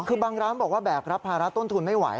คือบางร้านบอกว่าแบกรับภาระต้นทุนไม่ไหว